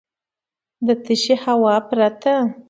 د تشې هوا پرته .